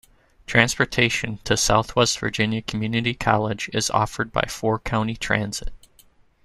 Transportation to Southwest Virginia Community College is offered by Four County Transit.